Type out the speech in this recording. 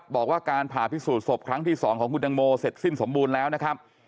บอกว่าการผ่าพิสูจนศพครั้งที่๒ของคุณตังโมเสร็จสิ้นสมบูรณ์แล้วนะครับ